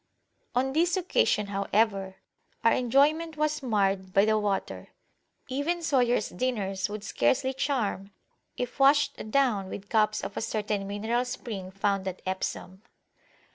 On this occasion, however, our enjoyment was marred by the water; even Soyers dinners would scarcely charm if washed down with cups of a certain mineral spring found at Epsom.